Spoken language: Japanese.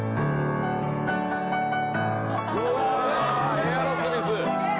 エアロスミス。